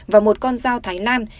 và một con dao thái lan